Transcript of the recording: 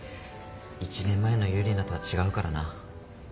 １年前のユリナとは違うからな。